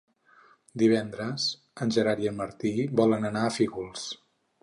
Divendres en Gerard i en Martí volen anar a Fígols.